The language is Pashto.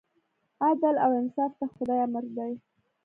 عدل او انصاف د خدای امر دی.